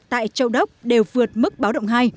tại châu đốc đều vượt mức báo động hai